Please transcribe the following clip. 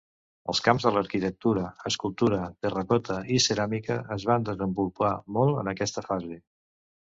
Els camps de l'arquitectura, escultura, terracota i ceràmica es van desenvolupar molt en aquesta fase.